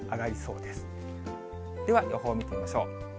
では予報を見てみましょう。